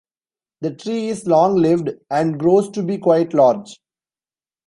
The tree is long lived and grows to be quite large.